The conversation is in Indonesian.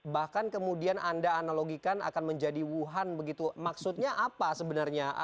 bahkan kemudian anda analogikan akan menjadi wuhan begitu maksudnya apa sebenarnya